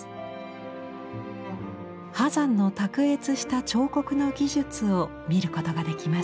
波山の卓越した彫刻の技術を見ることができます。